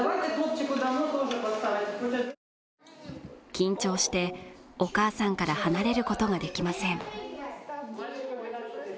緊張してお母さんから離れることができません